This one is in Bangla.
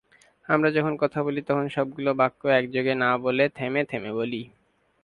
আমরা যখন কথা বলি তখন সবগুলো বাক্য একযোগে না বলে থেমে থেমে বলি।